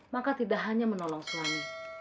maka tidak hanya menolong suami